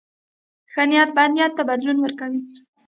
ښه نیت بد نیت ته بدلون ورکوي.